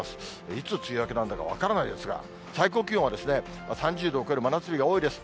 いつ梅雨明けなんだか分からないですが、最高気温は３０度を超える真夏日が多いです。